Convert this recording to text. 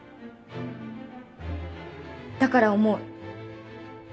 だから思う。